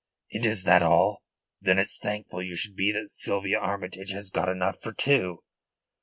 "And is that all? Then it's thankful you should be that Sylvia Armytage has got enough for two."